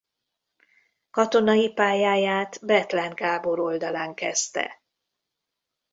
Katonai pályáját Bethlen Gábor oldalán kezdte.